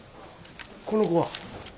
この子は？